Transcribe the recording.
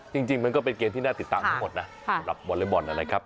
จริงจริงมันก็เป็นเกมที่น่าติดตามทั้งหมดนะบอลเลลย์บอร์นแล้วนะครับ